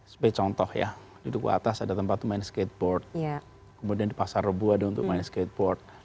sebagai contoh ya di duku atas ada tempat main skateboard kemudian di pasar rebu ada untuk main skateboard